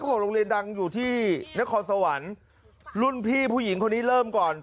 บอกโรงเรียนดังอยู่ที่นครสวรรค์รุ่นพี่ผู้หญิงคนนี้เริ่มก่อน